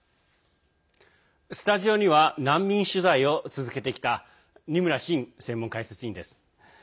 スタジオには難民取材を続けてきた二村伸専門解説委員です。